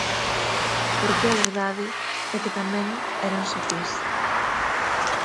Porque a verdade, é que tamén eran sutís.